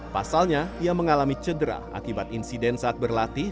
pasalnya ia mengalami cedera akibat insiden saat berlatih